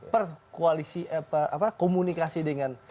per komunikasi dengan